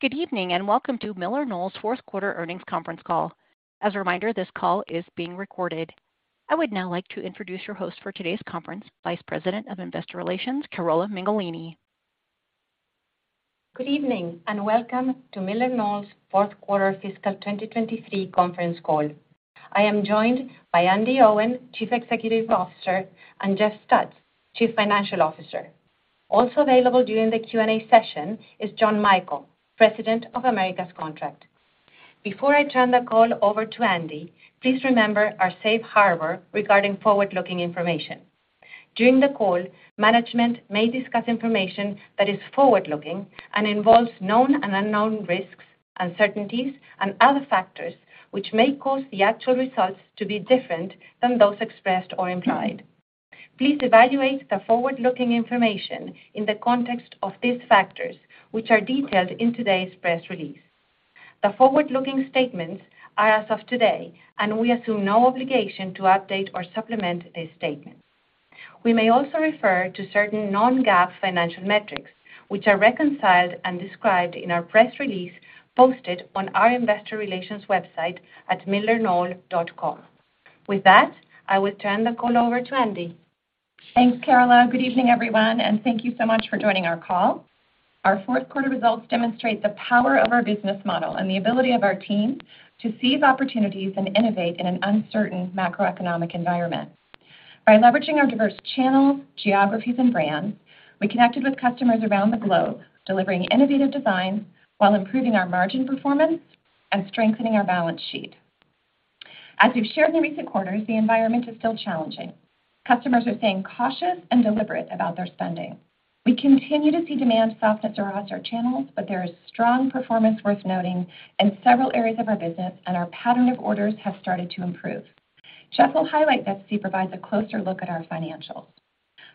Good evening, and welcome to MillerKnoll's Fourth Quarter Earnings Conference Call. As a reminder, this call is being recorded. I would now like to introduce your host for today's conference, Vice President of Investor Relations, Carola Mengolini. Good evening, and welcome to MillerKnoll's fourth quarter fiscal 2023 conference call. I am joined by Andi Owen, Chief Executive Officer, and Jeff Stutz, Chief Financial Officer. Also available during the Q&A session is John Michael, President of Americas Contract. Before I turn the call over to Andi, please remember our safe harbor regarding forward-looking information. During the call, management may discuss information that is forward-looking and involves known and unknown risks, uncertainties, and other factors, which may cause the actual results to be different than those expressed or implied. Please evaluate the forward-looking information in the context of these factors, which are detailed in today's press release. The forward-looking statements are as of today, and we assume no obligation to update or supplement any statement. We may also refer to certain non-GAAP financial metrics, which are reconciled and described in our press release posted on our investor relations website at millerknoll.com. With that, I will turn the call over to Andi. Thanks, Carola. Good evening, everyone, and thank you so much for joining our call. Our fourth quarter results demonstrate the power of our business model and the ability of our team to seize opportunities and innovate in an uncertain macroeconomic environment. By leveraging our diverse channels, geographies, and brands, we connected with customers around the globe, delivering innovative designs while improving our margin performance and strengthening our balance sheet. As we've shared in recent quarters, the environment is still challenging. Customers are staying cautious and deliberate about their spending. We continue to see demand softness across our channels, but there is strong performance worth noting in several areas of our business, and our pattern of orders has started to improve. Jeff will highlight that as he provides a closer look at our financials.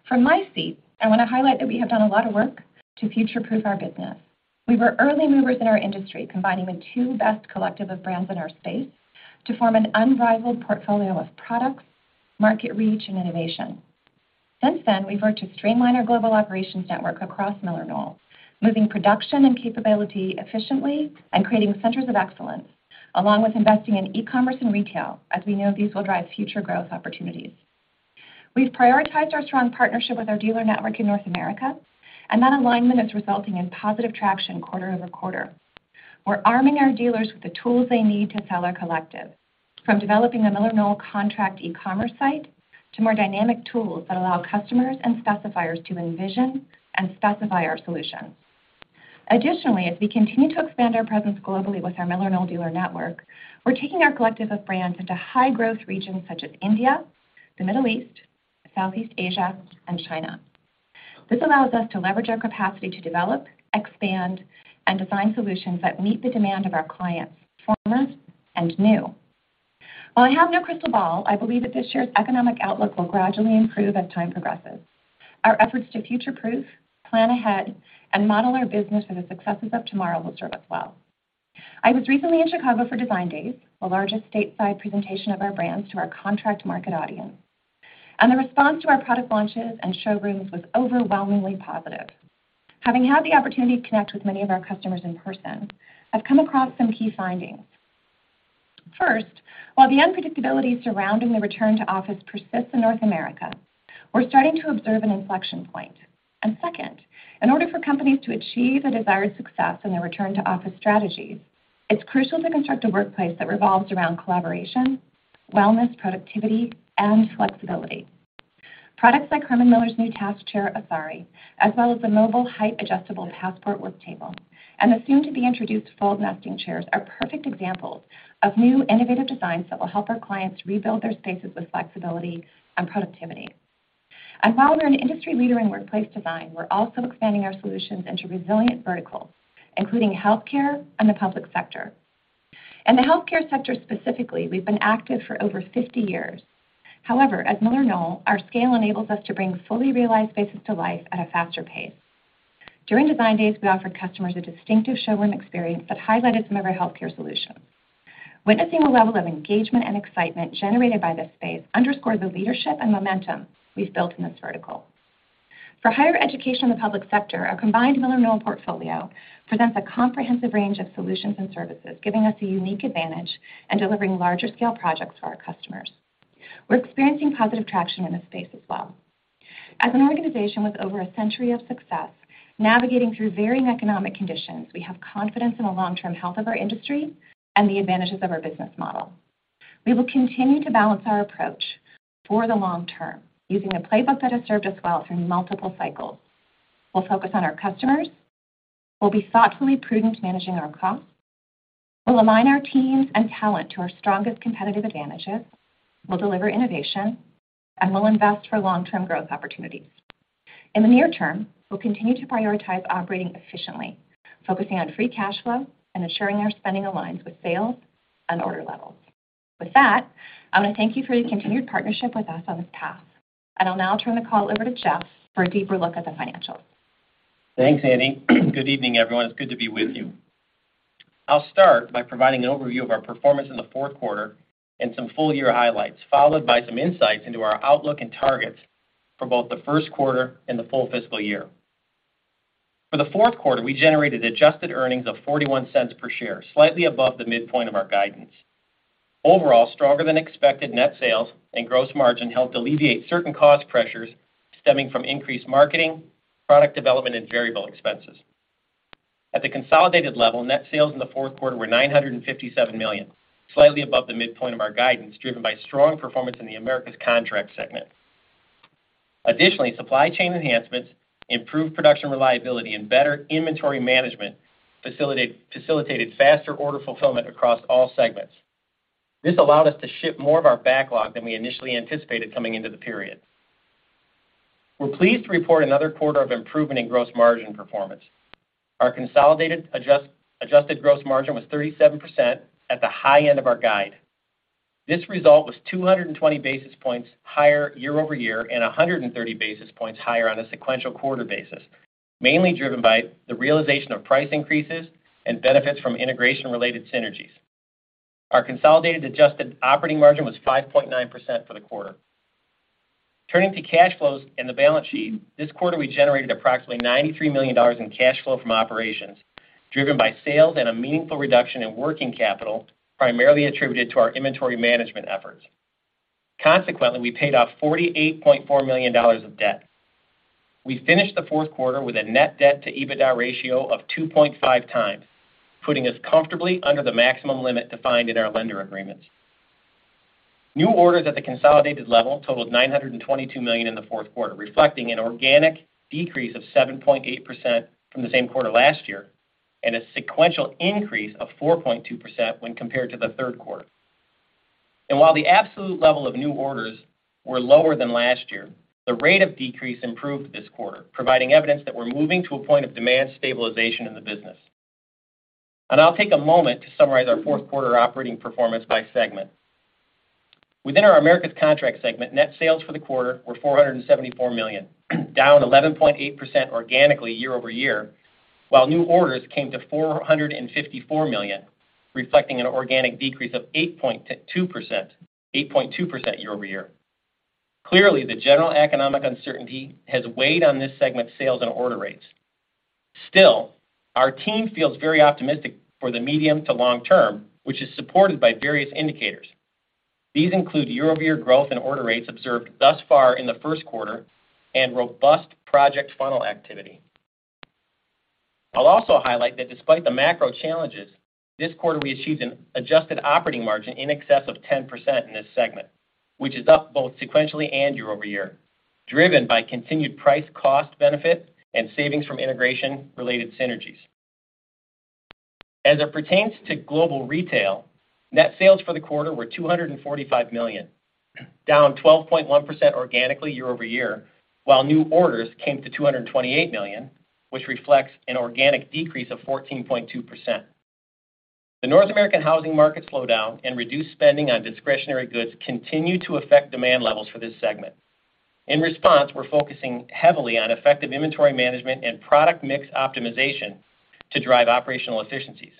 From my seat, I want to highlight that we have done a lot of work to future-proof our business. We were early movers in our industry, combining the two best collective of brands in our space to form an unrivaled portfolio of products, market reach, and innovation. Since then, we've worked to streamline our global operations network across MillerKnoll, moving production and capability efficiently and creating centers of excellence, along with investing in e-commerce and retail, as we know these will drive future growth opportunities. We've prioritized our strong partnership with our dealer network in North America, and that alignment is resulting in positive traction quarter-over-quarter. We're arming our dealers with the tools they need to sell our collective, from developing a MillerKnoll contract e-commerce site to more dynamic tools that allow customers and specifiers to envision and specify our solutions. Additionally, as we continue to expand our presence globally with our MillerKnoll dealer network, we're taking our collective of brands into high-growth regions such as India, the Middle East, Southeast Asia, and China. This allows us to leverage our capacity to develop, expand, and design solutions that meet the demand of our clients, former and new. While I have no crystal ball, I believe that this year's economic outlook will gradually improve as time progresses. Our efforts to future-proof, plan ahead, and model our business for the successes of tomorrow will serve us well. I was recently in Chicago for Design Days, the largest stateside presentation of our brands to our contract market audience, and the response to our product launches and showrooms was overwhelmingly positive. Having had the opportunity to connect with many of our customers in person, I've come across some key findings. First, while the unpredictability surrounding the return to office persists in North America, we're starting to observe an inflection point. Second, in order for companies to achieve the desired success in their return-to-office strategies, it's crucial to construct a workplace that revolves around collaboration, wellness, productivity, and flexibility. Products like Herman Miller's new task chair, Asari, as well as the mobile height-adjustable Passport Work Table, and the soon-to-be-introduced fold nesting chairs are perfect examples of new innovative designs that will help our clients rebuild their spaces with flexibility and productivity. While we're an industry leader in workplace design, we're also expanding our solutions into resilient verticals, including healthcare and the public sector. In the healthcare sector specifically, we've been active for over 50 years. However, at MillerKnoll, our scale enables us to bring fully realized spaces to life at a faster pace. During Design Days, we offered customers a distinctive showroom experience that highlighted some of our healthcare solutions. Witnessing the level of engagement and excitement generated by this space underscored the leadership and momentum we've built in this vertical. For higher education and the public sector, our combined MillerKnoll portfolio presents a comprehensive range of solutions and services, giving us a unique advantage in delivering larger-scale projects to our customers. We're experiencing positive traction in this space as well. As an organization with over a century of success navigating through varying economic conditions, we have confidence in the long-term health of our industry and the advantages of our business model. We will continue to balance our approach for the long term, using a playbook that has served us well through multiple cycles. We'll focus on our customers, we'll be thoughtfully prudent managing our costs, we'll align our teams and talent to our strongest competitive advantages, we'll deliver innovation, and we'll invest for long-term growth opportunities. In the near term, we'll continue to prioritize operating efficiently, focusing on free cash flow and ensuring our spending aligns with sales and order levels. With that, I want to thank you for your continued partnership with us on this path. I'll now turn the call over to Jeff for a deeper look at the financials. Thanks, Andi. Good evening, everyone. It's good to be with you. I'll start by providing an overview of our performance in the fourth quarter and some full year highlights, followed by some insights into our outlook and targets for both the first quarter and the full fiscal year. For the fourth quarter, we generated adjusted earnings of $0.41 per share, slightly above the midpoint of our guidance. Overall, stronger-than-expected net sales and gross margin helped alleviate certain cost pressures stemming from increased marketing, product development, and variable expenses. At the consolidated level, net sales in the fourth quarter were $957 million, slightly above the midpoint of our guidance, driven by strong performance in the Americas Contract segment. Additionally, supply chain enhancements, improved production reliability, and better inventory management facilitated faster order fulfillment across all segments. This allowed us to ship more of our backlog than we initially anticipated coming into the period. We're pleased to report another quarter of improvement in gross margin performance. Our consolidated adjusted gross margin was 37% at the high end of our guide. This result was 220 basis points higher year-over-year, and 130 basis points higher on a sequential quarter basis, mainly driven by the realization of price increases and benefits from integration-related synergies. Our consolidated adjusted operating margin was 5.9% for the quarter. Turning to cash flows and the balance sheet. This quarter, we generated approximately $93 million in cash flow from operations, driven by sales and a meaningful reduction in working capital, primarily attributed to our inventory management efforts. Consequently, we paid off $48.4 million of debt. We finished the fourth quarter with a net debt to EBITDA ratio of 2.5x, putting us comfortably under the maximum limit defined in our lender agreements. New orders at the consolidated level totaled $922 million in the fourth quarter, reflecting an organic decrease of 7.8% from the same quarter last year, and a sequential increase of 4.2% when compared to the third quarter. While the absolute level of new orders were lower than last year, the rate of decrease improved this quarter, providing evidence that we're moving to a point of demand stabilization in the business. I'll take a moment to summarize our fourth quarter operating performance by segment. Within our Americas Contract segment, net sales for the quarter were $474 million, down 11.8% organically year-over-year, while new orders came to $454 million, reflecting an organic decrease of 8.2% year-over-year. Clearly, the general economic uncertainty has weighed on this segment's sales and order rates. Still, our team feels very optimistic for the medium to long term, which is supported by various indicators. These include year-over-year growth in order rates observed thus far in the first quarter and robust project funnel activity. I'll also highlight that despite the macro challenges this quarter, we achieved an adjusted operating margin in excess of 10% in this segment, which is up both sequentially and year-over-year, driven by continued price cost benefits and savings from integration-related synergies. As it pertains to Global Retail, net sales for the quarter were $245 million, down 12.1% organically year-over-year, while new orders came to $228 million, which reflects an organic decrease of 14.2%. The North American housing market slowdown and reduced spending on discretionary goods continue to affect demand levels for this segment. In response, we're focusing heavily on effective inventory management and product mix optimization to drive operational efficiencies.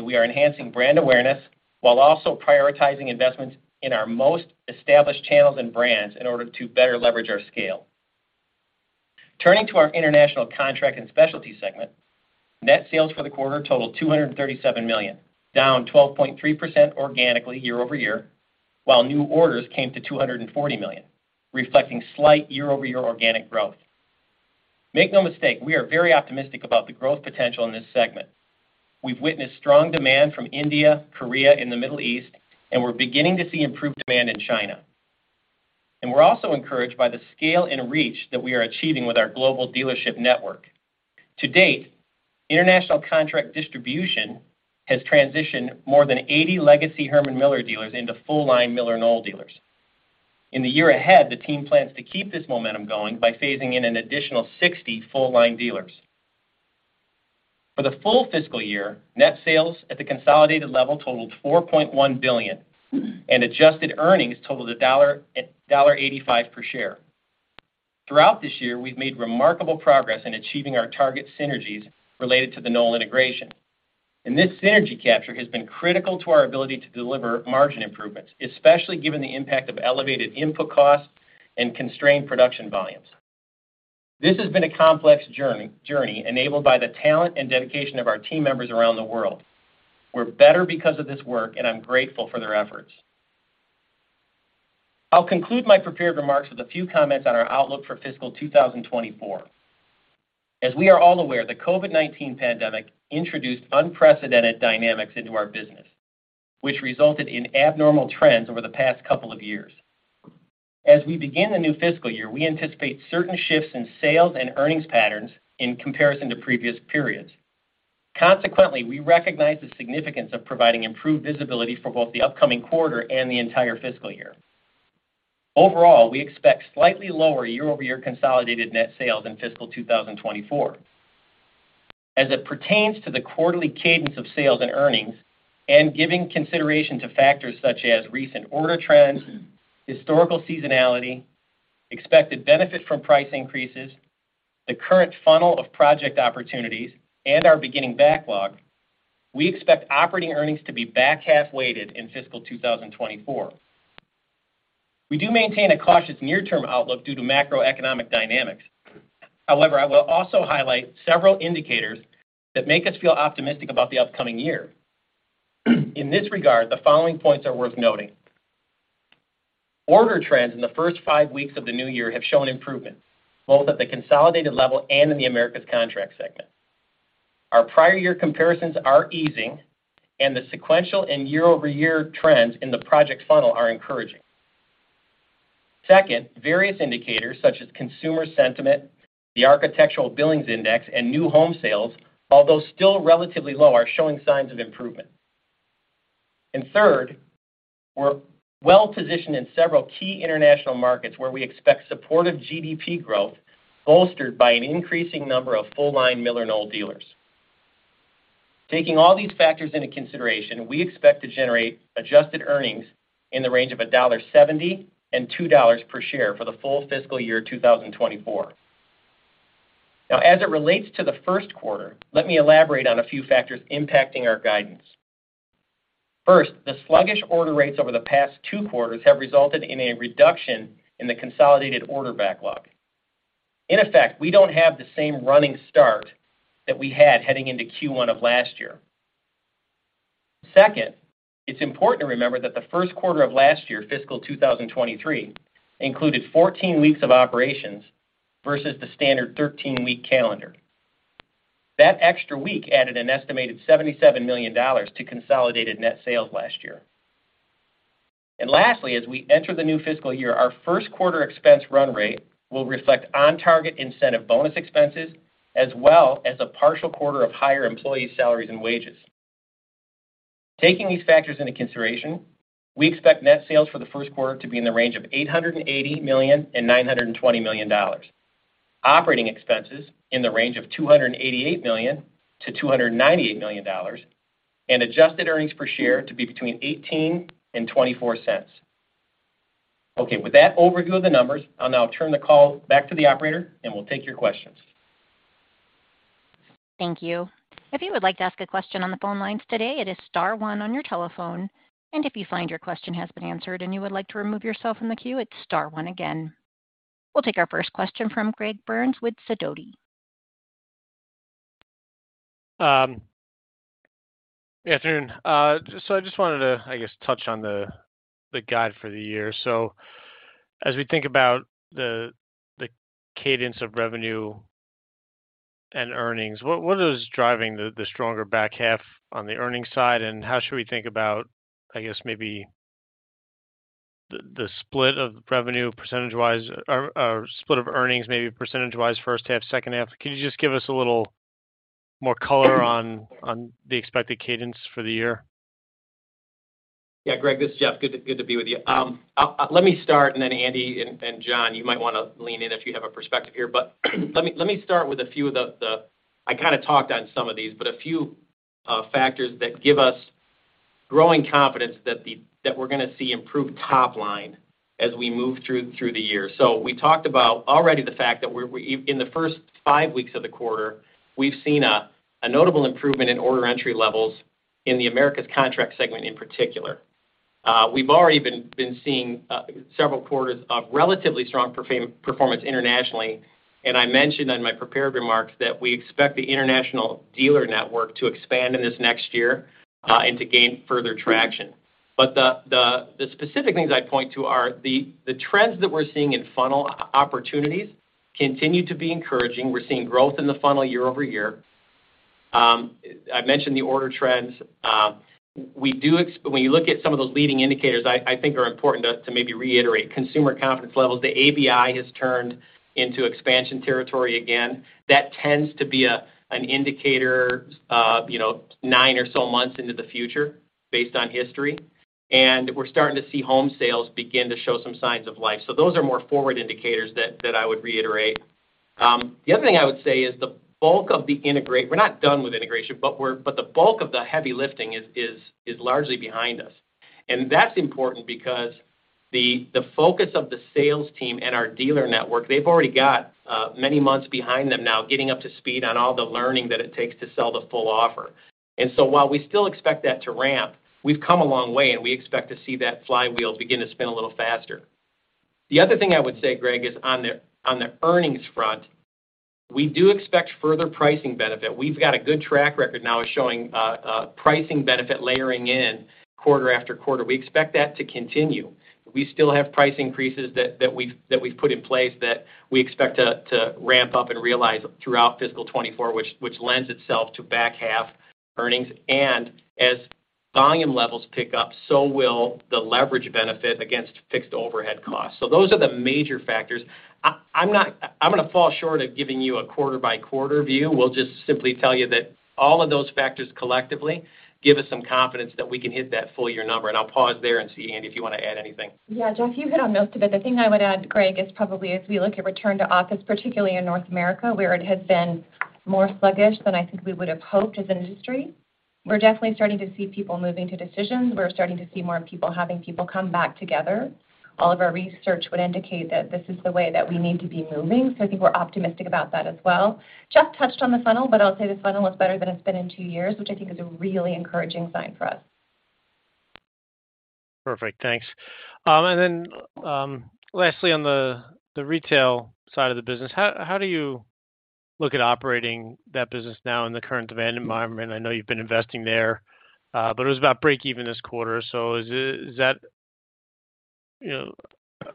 We are enhancing brand awareness while also prioritizing investments in our most established channels and brands in order to better leverage our scale. Turning to our International Contract and Specialty segment. Net sales for the quarter totaled $237 million, down 12.3% organically year-over-year, while new orders came to $240 million, reflecting slight year-over-year organic growth. Make no mistake, we are very optimistic about the growth potential in this segment. We've witnessed strong demand from India, Korea, and the Middle East. We're beginning to see improved demand in China. We're also encouraged by the scale and reach that we are achieving with our global dealership network. To date, International Contract distribution has transitioned more than 80 legacy Herman Miller dealers into full-line MillerKnoll dealers. In the year ahead, the team plans to keep this momentum going by phasing in an additional 60 full-line dealers. For the full fiscal year, net sales at the consolidated level totaled $4.1 billion. Adjusted earnings totaled $1.85 per share. Throughout this year, we've made remarkable progress in achieving our target synergies related to the Knoll integration. This synergy capture has been critical to our ability to deliver margin improvements, especially given the impact of elevated input costs and constrained production volumes. This has been a complex journey enabled by the talent and dedication of our team members around the world. We're better because of this work. I'm grateful for their efforts. I'll conclude my prepared remarks with a few comments on our outlook for fiscal 2024. As we are all aware, the COVID-19 pandemic introduced unprecedented dynamics into our business, which resulted in abnormal trends over the past couple of years. As we begin the new fiscal year, we anticipate certain shifts in sales and earnings patterns in comparison to previous periods. Consequently, we recognize the significance of providing improved visibility for both the upcoming quarter and the entire fiscal year. Overall, we expect slightly lower year-over-year consolidated net sales in fiscal 2024. As it pertains to the quarterly cadence of sales and earnings, and giving consideration to factors such as recent order trends, historical seasonality,... expected benefit from price increases, the current funnel of project opportunities, and our beginning backlog, we expect operating earnings to be back half weighted in fiscal 2024. We do maintain a cautious near-term outlook due to macroeconomic dynamics. I will also highlight several indicators that make us feel optimistic about the upcoming year. In this regard, the following points are worth noting. Order trends in the first five weeks of the new year have shown improvement, both at the consolidated level and in the Americas Contract segment. Our prior year comparisons are easing, and the sequential and year-over-year trends in the project funnel are encouraging. Second, various indicators such as consumer sentiment, the Architecture Billings Index, and new home sales, although still relatively low, are showing signs of improvement. Third, we're well-positioned in several key international markets where we expect supportive GDP growth, bolstered by an increasing number of full-line MillerKnoll dealers. Taking all these factors into consideration, we expect to generate adjusted earnings in the range of $1.70-$2 per share for the full fiscal year 2024. Now, as it relates to the first quarter, let me elaborate on a few factors impacting our guidance. First, the sluggish order rates over the past two quarters have resulted in a reduction in the consolidated order backlog. In effect, we don't have the same running start that we had heading into Q1 of last year. Second, it's important to remember that the first quarter of last year, fiscal 2023, included 14 weeks of operations versus the standard 13-week calendar. That extra week added an estimated $77 million to consolidated net sales last year. Lastly, as we enter the new fiscal year, our first quarter expense run rate will reflect on-target incentive bonus expenses, as well as a partial quarter of higher employee salaries and wages. Taking these factors into consideration, we expect net sales for the first quarter to be in the range of $880 million-$920 million. Operating expenses in the range of $288 million-$298 million, and adjusted EPS to be between $0.18 and $0.24. Okay, with that overview of the numbers, I'll now turn the call back to the operator and we'll take your questions. Thank you. If you would like to ask a question on the phone lines today, it is star one on your telephone, and if you find your question has been answered and you would like to remove yourself from the queue, it's star one again. We'll take our first question from Greg Burns with Sidoti. Good afternoon. I just wanted to, I guess, touch on the guide for the year. As we think about the cadence of revenue and earnings, what is driving the stronger back half on the earnings side? How should we think about, I guess, maybe the split of revenue percentage-wise or split of earnings, maybe percentage-wise, first half, second half? Can you just give us a little more color on the expected cadence for the year? Yeah, Greg, this is Jeff. Good to be with you. Let me start, and then Andi and John, you might want to lean in if you have a perspective here. Let me start with a few of the factors that give us growing confidence that we're going to see improved top line as we move through the year. We talked about already the fact that we're in the first five weeks of the quarter, we've seen a notable improvement in order entry levels in the Americas Contract segment in particular. We've already been seeing several quarters of relatively strong performance internationally. I mentioned on my prepared remarks that we expect the international dealer network to expand in this next year to gain further traction. The specific things I'd point to are the trends that we're seeing in funnel opportunities continue to be encouraging. We're seeing growth in the funnel year-over-year. I mentioned the order trends. We do when you look at some of those leading indicators, I think are important to maybe reiterate, consumer confidence levels. The ABI has turned into expansion territory again. That tends to be an indicator, you know, nine or so months into the future, based on history. We're starting to see home sales begin to show some signs of life. Those are more forward indicators that I would reiterate. The other thing I would say is the bulk of the we're not done with integration, but the bulk of the heavy lifting is largely behind us. That's important because the focus of the sales team and our dealer network, they've already got many months behind them now, getting up to speed on all the learning that it takes to sell the full offer. While we still expect that to ramp, we've come a long way, and we expect to see that flywheel begin to spin a little faster. The other thing I would say, Greg, is on the, on the earnings front, we do expect further pricing benefit. We've got a good track record now of showing pricing benefit layering in quarter after quarter. We expect that to continue. We still have price increases that we've put in place that we expect to ramp up and realize throughout fiscal 2024, which lends itself to back half earnings. As volume levels pick up, so will the leverage benefit against fixed overhead costs. Those are the major factors. I'm going to fall short of giving you a quarter-by-quarter view. We'll just simply tell you that all of those factors collectively give us some confidence that we can hit that full year number, and I'll pause there and see, Andi, if you wanna add anything. Yeah, Jeff, you hit on most of it. The thing I would add, Greg, is probably as we look at return to office, particularly in North America, where it has been more sluggish than I think we would have hoped as an industry. We're definitely starting to see people moving to decisions. We're starting to see more people having people come back together. All of our research would indicate that this is the way that we need to be moving, so I think we're optimistic about that as well. Jeff touched on the funnel, but I'll say the funnel looks better than it's been in two years, which I think is a really encouraging sign for us. Perfect. Thanks. Then, lastly, on the retail side of the business, how do you look at operating that business now in the current demand environment? I know you've been investing there, but it was about breakeven this quarter. Is that, you know,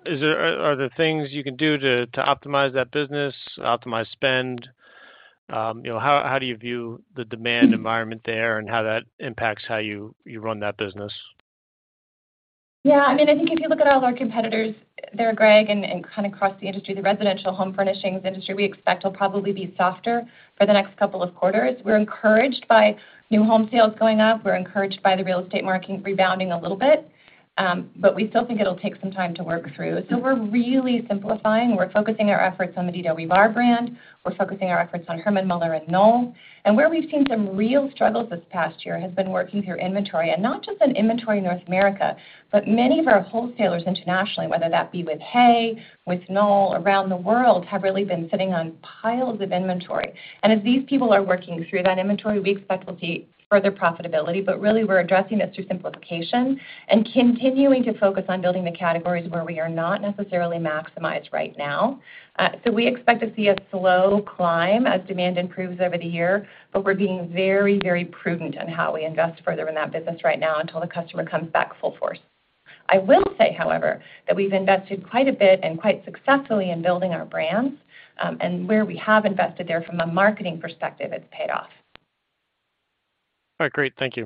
are there things you can do to optimize that business, optimize spend? You know, how do you view the demand environment there and how that impacts how you run that business? Yeah, I mean, I think if you look at all our competitors there, Greg, and kind of across the industry, the residential home furnishings industry, we expect will probably be softer for the next couple of quarters. We're encouraged by new home sales going up. We're encouraged by the real estate market rebounding a little bit, we still think it'll take some time to work through. We're really simplifying. We're focusing our efforts on the DWR brand. We're focusing our efforts on Herman Miller and Knoll. Where we've seen some real struggles this past year has been working through inventory, and not just in inventory North America, but many of our wholesalers internationally, whether that be with HAY, with Knoll, around the world, have really been sitting on piles of inventory. As these people are working through that inventory, we expect to see further profitability, but really, we're addressing this through simplification and continuing to focus on building the categories where we are not necessarily maximized right now. We expect to see a slow climb as demand improves over the year, but we're being very, very prudent on how we invest further in that business right now until the customer comes back full force. I will say, however, that we've invested quite a bit and quite successfully in building our brands, and where we have invested there from a marketing perspective, it's paid off. All right, great. Thank you.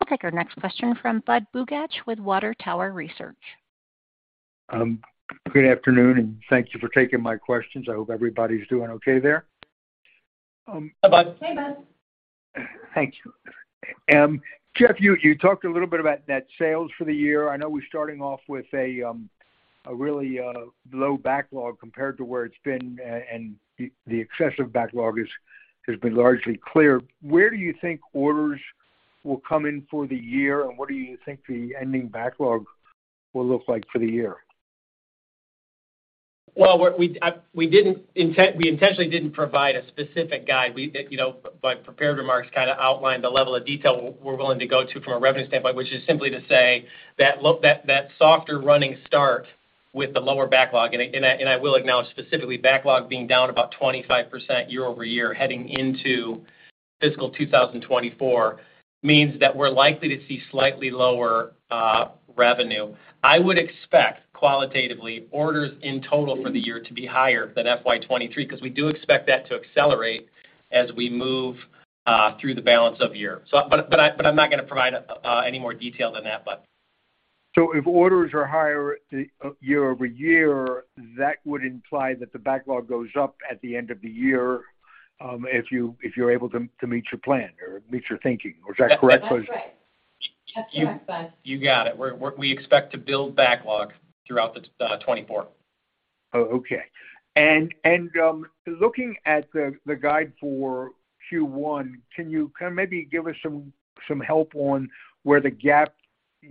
I'll take our next question from Budd Bugatch with Water Tower Research. Good afternoon, and thank you for taking my questions. I hope everybody's doing okay there. Hi, Budd. Hey, Budd. Thank you. Jeff, you talked a little bit about that sales for the year. I know we're starting off with a really low backlog compared to where it's been, and the excessive backlog has been largely clear. Where do you think orders will come in for the year, and what do you think the ending backlog will look like for the year? We intentionally didn't provide a specific guide. We, you know, my prepared remarks kinda outlined the level of detail we're willing to go to from a revenue standpoint, which is simply to say that look, that softer running start with the lower backlog, and I will acknowledge specifically, backlog being down about 25% year-over-year, heading into fiscal 2024, means that we're likely to see slightly lower revenue. I would expect, qualitatively, orders in total for the year to be higher than FY 2023, 'cause we do expect that to accelerate as we move through the balance of the year. But I'm not gonna provide any more detail than that, Budd. If orders are higher year-over-year, that would imply that the backlog goes up at the end of the year, if you're able to meet your plan or meet your thinking. Was that correct? That's right. That's correct, Budd. You got it. We expect to build backlog throughout the 2024. Oh, okay. Looking at the guide for Q1, can you kind of maybe give us some help on where the GAAP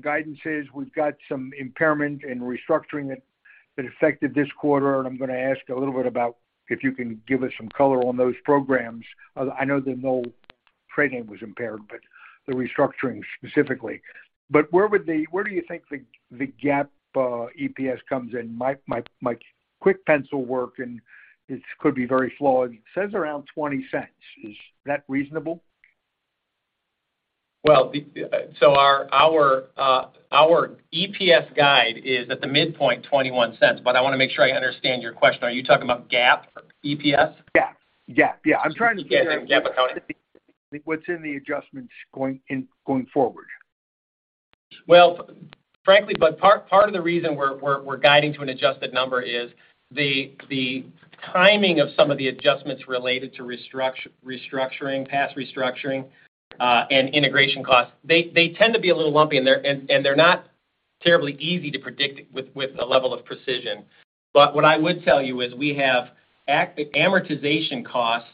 guidance is? We've got some impairment and restructuring that affected this quarter, and I'm gonna ask a little bit about if you can give us some color on those programs. I know the Knoll trade name was impaired, but the restructuring specifically. Where do you think the GAAP EPS comes in? My quick pencil work, and it could be very flawed, says around $0.20. Is that reasonable? The EPS guide is at the midpoint, $0.21, but I wanna make sure I understand your question. Are you talking about GAAP EPS? GAAP. GAAP, yeah. GAAP. I'm trying to figure out what's in the adjustments going forward. Well, frankly, Budd, part of the reason we're guiding to an adjusted number is the timing of some of the adjustments related to restructuring, past restructuring, and integration costs. They tend to be a little lumpy, and they're not terribly easy to predict with a level of precision. What I would tell you is we have amortization costs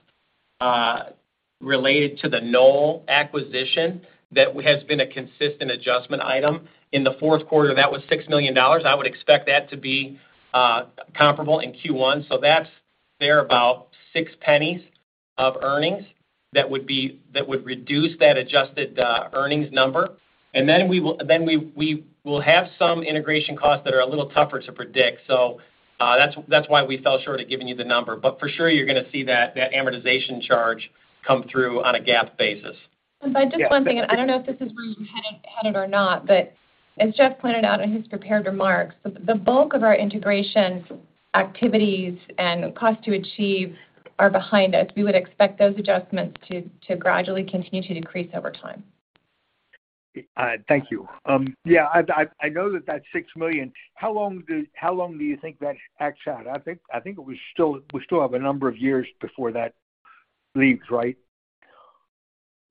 related to the Knoll acquisition that has been a consistent adjustment item. In the fourth quarter, that was $6 million. I would expect that to be comparable in Q1. That's thereabout $0.06 of earnings that would reduce that adjusted earnings number. Then we will have some integration costs that are a little tougher to predict, so, that's why we fell short of giving you the number. For sure, you're gonna see that amortization charge come through on a GAAP basis. Budd, just one thing, and I don't know if this is where you headed or not, but as Jeff pointed out in his prepared remarks, the bulk of our integration activities and cost to achieve are behind us. We would expect those adjustments to gradually continue to decrease over time. Thank you. I know that that's $6 million. How long do you think that acts out? I think we still have a number of years before that leaves, right?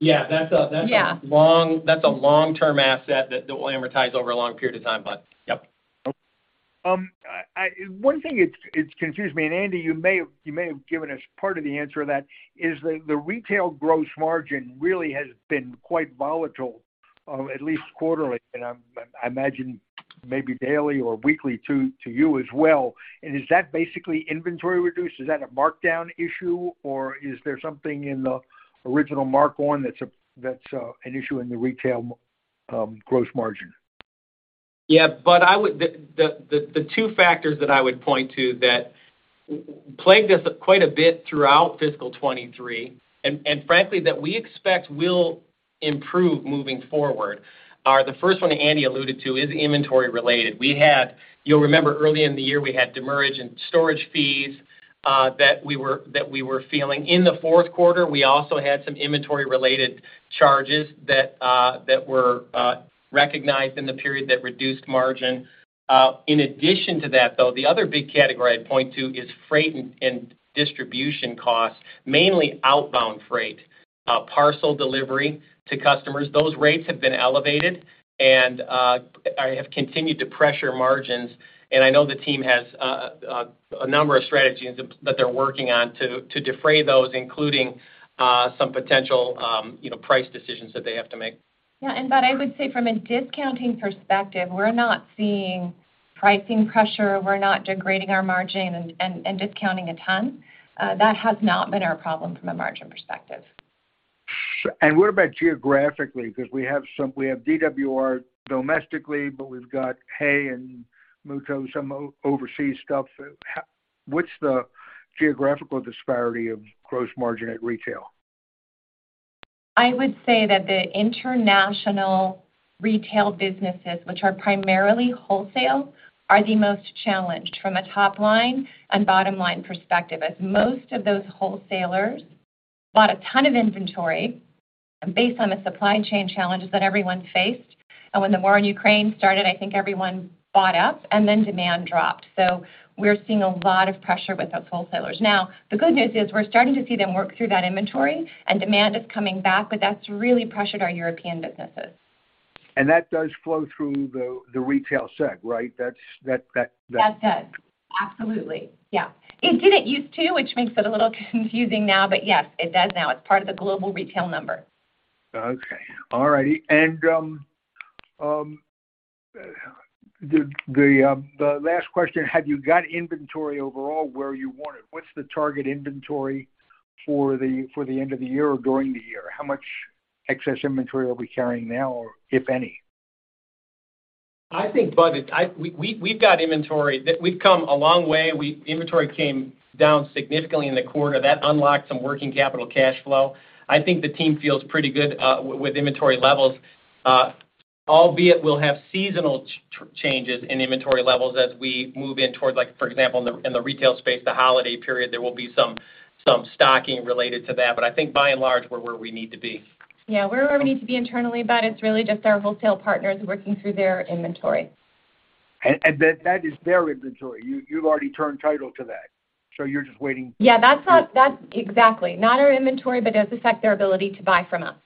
Yeah, that's a... Yeah. ...long, that's a long-term asset that we'll amortize over a long period of time, Budd. Yep. One thing it confused me, Andi, you may have given us part of the answer to that, is the retail gross margin really has been quite volatile, at least quarterly, and I'm, I imagine maybe daily or weekly to you as well. Is that basically inventory reduced? Is that a markdown issue, or is there something in the original mark one that's an issue in the retail gross margin? The two factors that I would point to that plagued us quite a bit throughout fiscal 2023, and frankly, that we expect will improve moving forward, are the first one Andi alluded to is inventory related. We had. You'll remember earlier in the year, we had demurrage and storage fees that we were feeling. In the fourth quarter, we also had some inventory-related charges that were recognized in the period that reduced margin. In addition to that, though, the other big category I'd point to is freight and distribution costs, mainly outbound freight, parcel delivery to customers. Those rates have been elevated and have continued to pressure margins. I know the team has a number of strategies that they're working on to defray those, including, some potential, you know, price decisions that they have to make. Yeah, I would say from a discounting perspective, we're not seeing pricing pressure, we're not degrading our margin and discounting a ton. That has not been our problem from a margin perspective. What about geographically? We have DWR domestically, but we've got HAY and Muuto, some overseas stuff. What's the geographical disparity of gross margin at retail? I would say that the international retail businesses, which are primarily wholesale, are the most challenged from a top-line and bottom-line perspective, as most of those wholesalers bought a ton of inventory based on the supply chain challenges that everyone faced. When the war in Ukraine started, I think everyone bought up, and then demand dropped. We're seeing a lot of pressure with those wholesalers. The good news is we're starting to see them work through that inventory, and demand is coming back, but that's really pressured our European businesses. That does flow through the retail seg, right? That's that. That does. Absolutely. Yeah. It didn't use to, which makes it a little confusing now, but yes, it does now. It's part of the Global Retail number. Okay. All righty. The last question: Have you got inventory overall where you want it? What's the target inventory for the end of the year or during the year? How much excess inventory are we carrying now, or if any? I think, Budd, we've got inventory we've come a long way. Inventory came down significantly in the quarter. That unlocked some working capital cash flow. I think the team feels pretty good with inventory levels, albeit we'll have seasonal changes in inventory levels as we move in towards, like, for example, in the, in the retail space, the holiday period, there will be some stocking related to that. I think by and large, we're where we need to be. We're where we need to be internally, but it's really just our wholesale partners working through their inventory. That is their inventory. You've already turned title to that, so you're just waiting... Yeah, That's exactly. Not our inventory, but it does affect their ability to buy from us.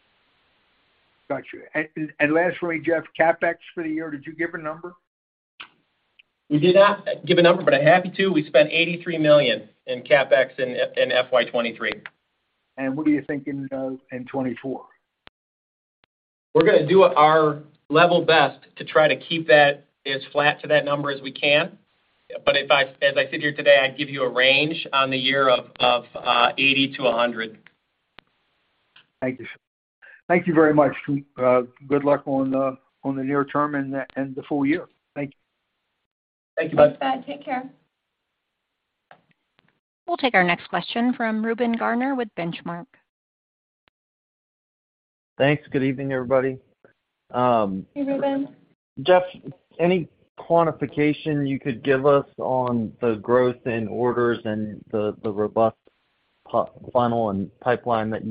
Got you. Lastly, Jeff, CapEx for the year, did you give a number? We did not give a number, but I'm happy to. We spent $83 million in CapEx in FY 2023. What are you thinking of in 2024? We're gonna do our level best to try to keep that as flat to that number as we can. As I sit here today, I'd give you a range on the year of $80-$100. Thank you, sir. Thank you very much. Good luck on the, on the near term and the, and the full year. Thank you. Thank you, Budd. Thanks, Budd. Take care. We'll take our next question from Reuben Garner with Benchmark. Thanks. Good evening, everybody. Hey, Reuben. Jeff, any quantification you could give us on the growth in orders and the robust funnel and pipeline that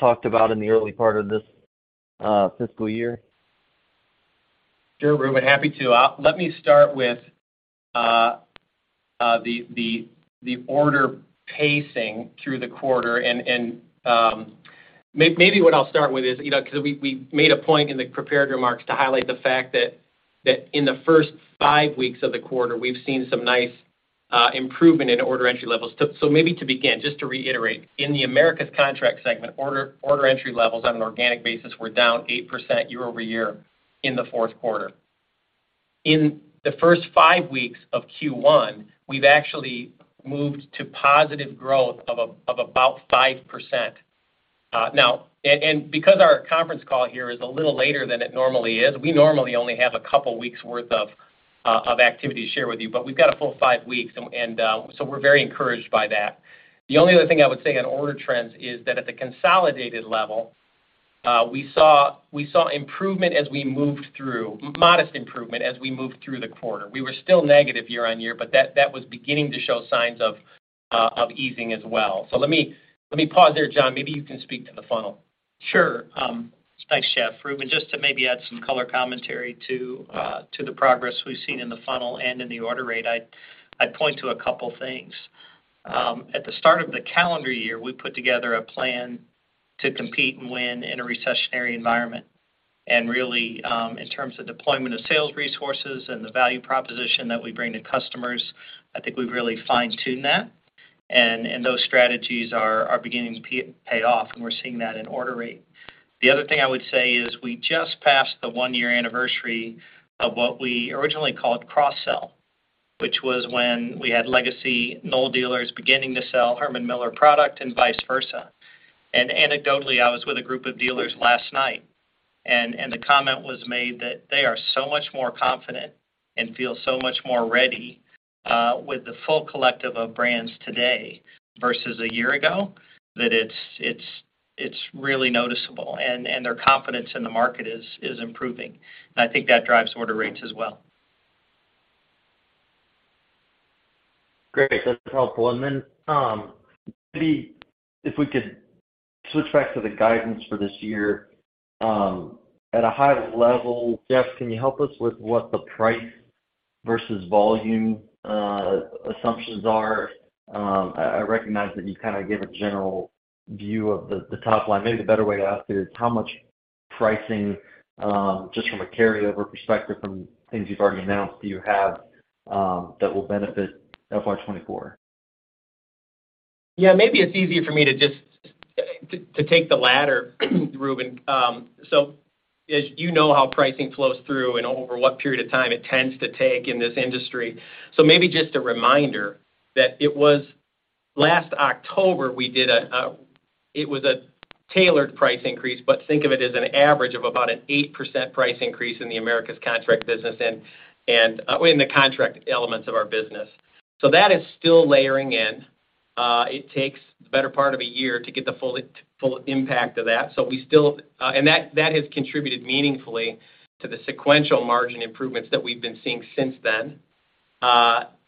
you talked about in the early part of this fiscal year? Sure, Reuben, happy to. Let me start with the order pacing through the quarter. Maybe what I'll start with is, you know, because we made a point in the prepared remarks to highlight the fact that in the first five weeks of the quarter, we've seen some nice improvement in order entry levels. Maybe to begin, just to reiterate, in the Americas Contract segment, order entry levels on an organic basis were down 8% year-over-year in the fourth quarter. In the first five weeks of Q1, we've actually moved to positive growth of about 5%. Now, because our conference call here is a little later than it normally is, we normally only have a couple of weeks' worth of activity to share with you, but we've got a full five weeks, we're very encouraged by that. The only other thing I would say on order trends is that at the consolidated level, we saw improvement as we moved through modest improvement as we moved through the quarter. We were still negative year-over-year, but that was beginning to show signs of easing as well. Let me pause there, John. Maybe you can speak to the funnel. Sure.... Thanks, Jeff. Reuben, just to maybe add some color commentary to the progress we've seen in the funnel and in the order rate, I'd point to a couple things. At the start of the calendar year, we put together a plan to compete and win in a recessionary environment. And really, in terms of deployment of sales resources and the value proposition that we bring to customers, I think we've really fine-tuned that, and those strategies are beginning to pay off, and we're seeing that in order rate. The other thing I would say is we just passed the one-year anniversary of what we originally called cross-sell, which was when we had legacy Knoll dealers beginning to sell Herman Miller product and vice versa. Anecdotally, I was with a group of dealers last night, and the comment was made that they are so much more confident and feel so much more ready, with the full collective of brands today versus a year ago, that it's really noticeable, and their confidence in the market is improving. I think that drives order rates as well. Great. That's helpful. Maybe if we could switch back to the guidance for this year. At a high level, Jeff, can you help us with what the price versus volume assumptions are? I recognize that you kinda gave a general view of the top line. Maybe the better way to ask it is how much pricing, just from a carryover perspective from things you've already announced, do you have, that will benefit FY 2024? Yeah, maybe it's easier for me to just to take the latter, Reuben. As you know how pricing flows through and over what period of time it tends to take in this industry. Maybe just a reminder that it was last October, we did a tailored price increase, but think of it as an average of about an 8% price increase in the Americas Contract business and in the contract elements of our business. That is still layering in. It takes the better part of a year to get the full impact of that. We still and that has contributed meaningfully to the sequential margin improvements that we've been seeing since then.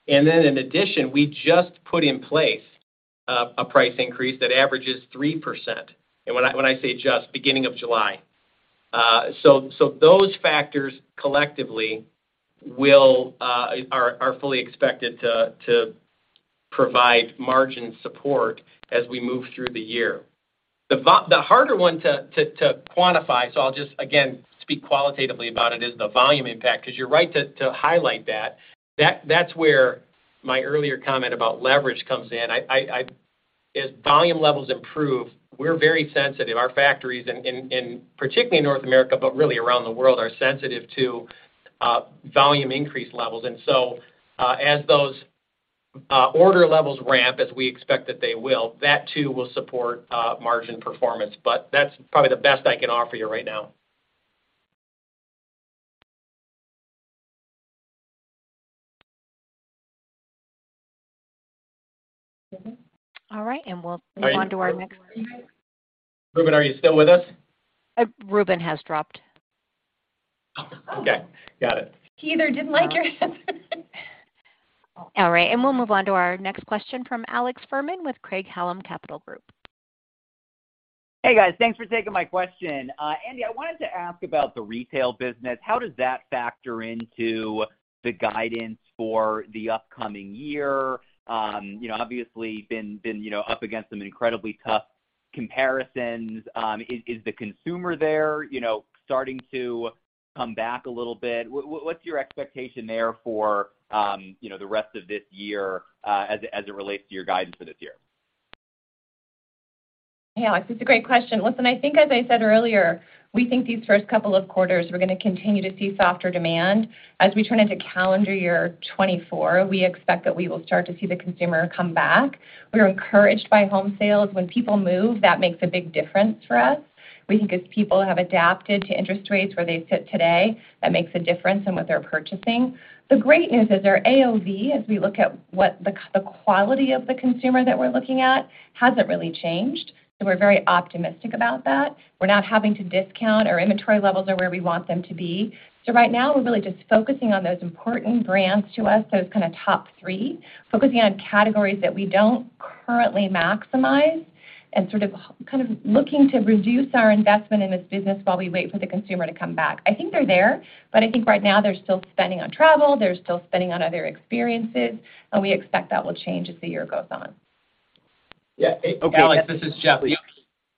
In addition, we just put in place a price increase that averages 3%. When I say just, beginning of July. Those factors collectively will are fully expected to provide margin support as we move through the year. The harder one to quantify, so I'll just again, speak qualitatively about it, is the volume impact, 'cause you're right to highlight that. That's where my earlier comment about leverage comes in. I as volume levels improve, we're very sensitive. Our factories, in particularly in North America, but really around the world, are sensitive to volume increase levels. As those order levels ramp, as we expect that they will, that too will support margin performance. That's probably the best I can offer you right now. All right. Reuben, are you still with us? Reuben has dropped. Okay, got it. He either didn't like your... All right, we'll move on to our next question from Alex Fuhrman with Craig-Hallum Capital Group. Hey, guys. Thanks for taking my question. Andi, I wanted to ask about the retail business. How does that factor into the guidance for the upcoming year? You know, obviously been, you know, up against some incredibly tough comparisons. Is the consumer there, you know, starting to come back a little bit? What's your expectation there for, you know, the rest of this year, as it relates to your guidance for this year? Hey, Alex, it's a great question. Listen, I think as I said earlier, we think these first couple of quarters, we're going to continue to see softer demand. We turn into calendar year 2024, we expect that we will start to see the consumer come back. We are encouraged by home sales. When people move, that makes a big difference for us. We think as people have adapted to interest rates where they sit today, that makes a difference in what they're purchasing. The great news is our AOV, as we look at what the quality of the consumer that we're looking at, hasn't really changed, so we're very optimistic about that. We're not having to discount. Our inventory levels are where we want them to be. Right now, we're really just focusing on those important brands to us, those kinda top 3, focusing on categories that we don't currently maximize, and sort of, kind of looking to reduce our investment in this business while we wait for the consumer to come back. I think they're there, but I think right now they're still spending on travel, they're still spending on other experiences, and we expect that will change as the year goes on. Yeah. Okay, Alex, this is Jeff.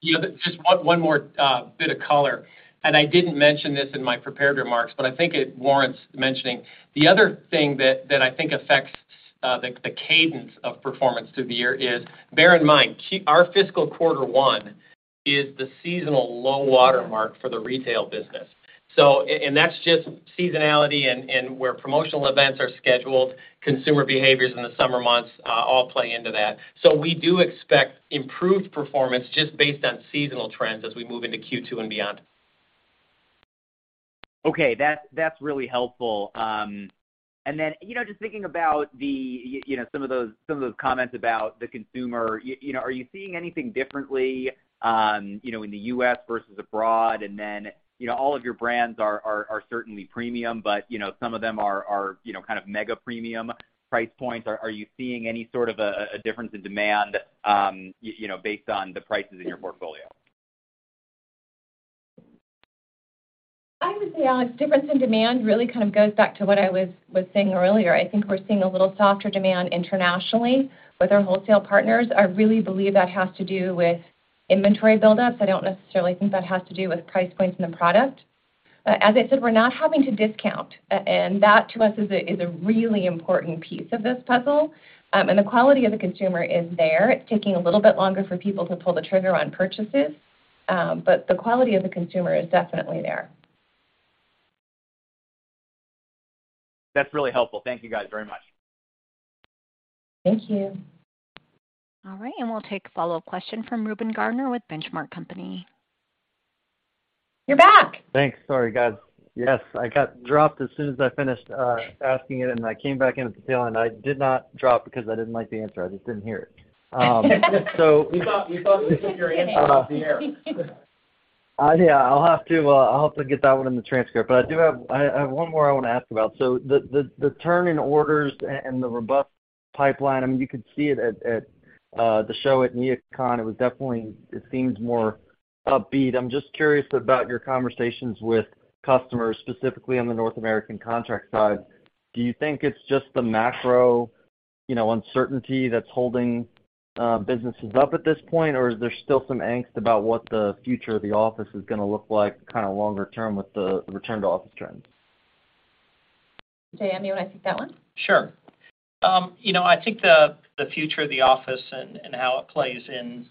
Yeah, just one more bit of color, and I didn't mention this in my prepared remarks, but I think it warrants mentioning. The other thing that I think affects the cadence of performance through the year is, bear in mind, our fiscal quarter 1 is the seasonal low water mark for the retail business. That's just seasonality and where promotional events are scheduled, consumer behaviors in the summer months, all play into that. We do expect improved performance just based on seasonal trends as we move into Q2 and beyond. Okay, that's really helpful. Then, you know, just thinking about the, you know, some of those, some of those comments about the consumer, you know, are you seeing anything differently, you know, in the U.S. versus abroad? Then, you know, all of your brands are certainly premium, but, you know, some of them are, you know, kind of mega premium price points. Are you seeing any sort of a difference in demand, you know, based on the prices in your portfolio? I would say, Alex, difference in demand really kind of goes back to what I was saying earlier. I think we're seeing a little softer demand internationally with our wholesale partners. I really believe that has to do with inventory build-ups. I don't necessarily think that has to do with price points in the product. As I said, we're not having to discount, and that to us is a really important piece of this puzzle. The quality of the consumer is there. It's taking a little bit longer for people to pull the trigger on purchases, but the quality of the consumer is definitely there. That's really helpful. Thank you, guys, very much. Thank you. All right, we'll take a follow-up question from Reuben Garner with Benchmark Company. You're back! Thanks. Sorry, guys. I got dropped as soon as I finished asking it, I came back in at the tail end. I did not drop because I didn't like the answer. I just didn't hear it. We thought we heard your answer on the air. Yeah, I'll have to get that one in the transcript. I have one more I want to ask about. The turn in orders and the robust pipeline, I mean, you could see it at the show at NeoCon. It was definitely, it seems more upbeat. I'm just curious about your conversations with customers, specifically on the North American contract side. Do you think it's just the macro, you know, uncertainty that's holding businesses up at this point, or is there still some angst about what the future of the office is gonna look like, kinda longer term, with the return-to-office trends? J.M., you wanna take that one? Sure. you know, I think the future of the office and how it plays in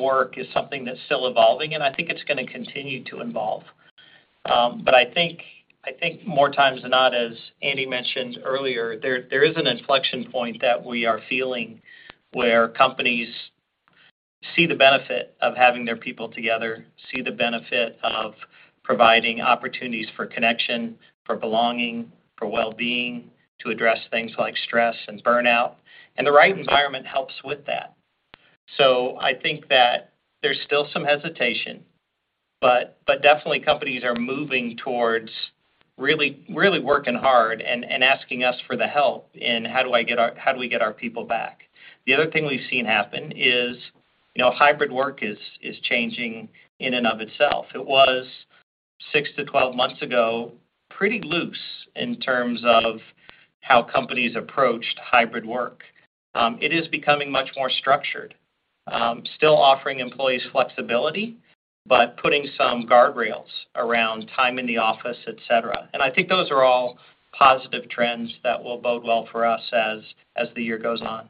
work is something that's still evolving, and I think it's gonna continue to evolve. But I think, I think more times than not, as Andi mentioned earlier, there is an inflection point that we are feeling, where companies see the benefit of having their people together, see the benefit of providing opportunities for connection, for belonging, for well-being, to address things like stress and burnout. The right environment helps with that. I think that there's still some hesitation, but definitely companies are moving towards really working hard and asking us for the help in how do we get our people back? The other thing we've seen happen is, you know, hybrid work is changing in and of itself. It was, 6-12 months ago, pretty loose in terms of how companies approached hybrid work. It is becoming much more structured. Still offering employees flexibility, but putting some guardrails around time in the office, et cetera. I think those are all positive trends that will bode well for us as the year goes on.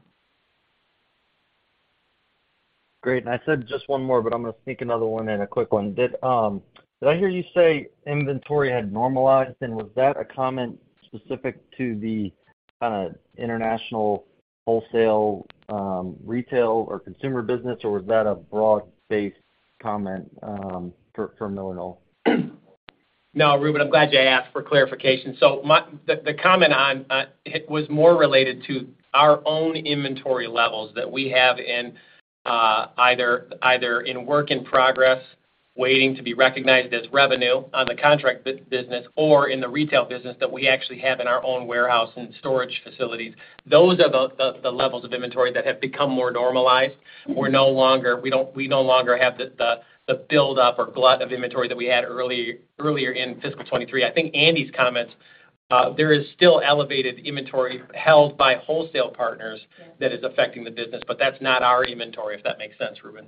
Great. I said just one more, but I'm gonna sneak another one in, a quick one. Did I hear you say inventory had normalized? Was that a comment specific to the international wholesale retail or consumer business, or was that a broad-based comment for MillerKnoll? No, Reuben, I'm glad you asked for clarification. My comment on, it was more related to our own inventory levels that we have in, either in work in progress, waiting to be recognized as revenue on the contract business, or in the retail business that we actually have in our own warehouse and storage facilities. Those are the levels of inventory that have become more normalized. We no longer have the buildup or glut of inventory that we had early, earlier in fiscal 2023. I think Andi's comments, there is still elevated inventory held by wholesale partners. Yes. that is affecting the business, but that's not our inventory, if that makes sense, Reuben.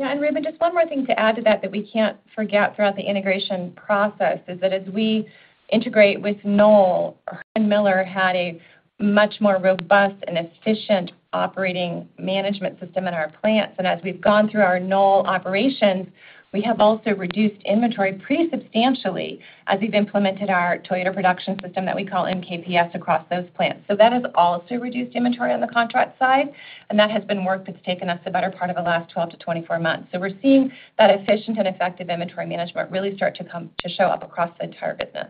Yeah, Reuben, just one more thing to add to that we can't forget throughout the integration process is that as we integrate with Knoll, Miller had a much more robust and efficient operating management system in our plants. As we've gone through our Knoll operations, we have also reduced inventory pretty substantially as we've implemented our Toyota Production System that we call MKPS across those plants. That has also reduced inventory on the contract side, and that has been work that's taken us the better part of the last 12-24 months. We're seeing that efficient and effective inventory management really start to come to show up across the entire business.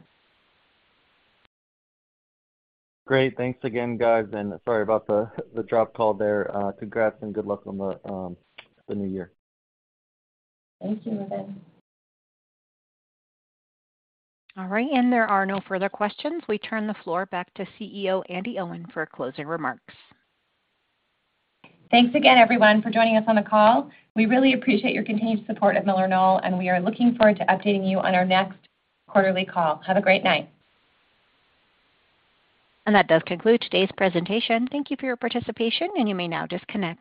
Great. Thanks again, guys, and sorry about the dropped call there. Congrats and good luck on the new year. Thank you, Reuben. All right, there are no further questions. We turn the floor back to CEO Andi Owen for closing remarks. Thanks again, everyone, for joining us on the call. We really appreciate your continued support of MillerKnoll, and we are looking forward to updating you on our next quarterly call. Have a great night. That does conclude today's presentation. Thank you for your participation, and you may now disconnect.